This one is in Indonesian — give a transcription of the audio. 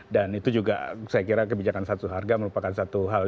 dan itu juga saya kira kebijakan satu harga merupakan kebijakan yang memperlihatkan itu